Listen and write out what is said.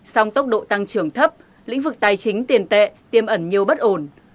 song tốc độ tăng trưởng thấp lĩnh vực tài chính tiền tệ tiêm ẩn nhiều bất ổn